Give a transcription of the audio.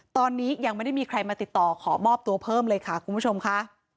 ตอนนี้ยังไม่ได้มีใครมาติดต่อขอมอบตัวเพิ่มเลยค่ะคุณผู้ชมค่ะ